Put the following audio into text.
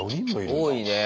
多いねえ。